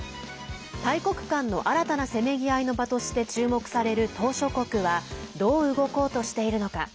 大国間の新たなせめぎ合いの場として注目される島しょ国はどう動こうとしているのか。